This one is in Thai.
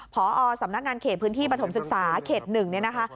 พอสำนักงานเขตพื้นที่ปฐมศึกษาเขต๑เนี่ยนะคะ